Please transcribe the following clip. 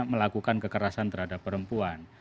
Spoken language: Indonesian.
melakukan kekerasan terhadap perempuan